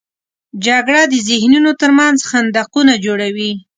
جګړه د ذهنونو تر منځ خندقونه جوړوي